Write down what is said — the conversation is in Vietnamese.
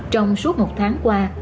trong suốt một tháng qua